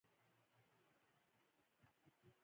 همدا سزا سیدي مولا ته هم ورکړل شوې وه.